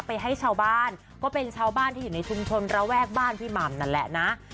ไปให้ชาวบ้านก็เป็นชาวบ้านที่อยู่ในชุมชนระแวกบ้านพี่หม่ำนั่นแหละนะ